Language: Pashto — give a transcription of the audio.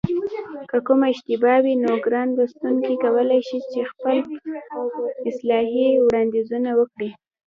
که کومه اشتباه وي نو ګران لوستونکي کولای شي خپل اصلاحي وړاندیزونه وکړي